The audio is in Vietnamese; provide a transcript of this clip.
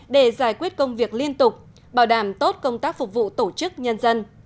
để giải quyết công việc liên tục bảo đảm tốt công tác phục vụ tổ chức nhân dân